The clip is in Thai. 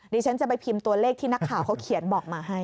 ดิฉันจะไปพิมพ์ตัวเลขที่นักข่าวเขาเขียนบอกมาให้